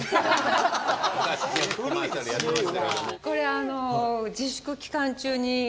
これ自粛期間中に。